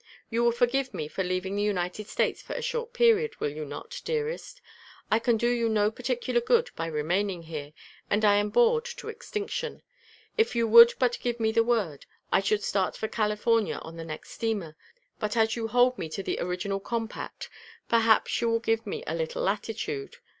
You will forgive me for leaving the United States for a short period, will you not, dearest? I can do you no particular good by remaining here, and I am bored to extinction. If you would but give me the word, I should start for California on the next steamer; but as you hold me to the original compact, perhaps you will give me a little latitude.